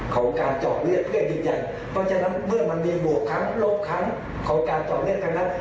ของการจอกเลือดเพื่อนอีกอย่างเพราะฉะนั้นเมื่อมันมีบวกครั้งลบครั้งของการจอกเลือดกันนะ